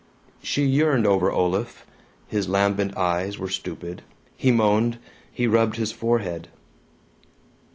She yearned over Olaf. His lambent eyes were stupid, he moaned, he rubbed his forehead.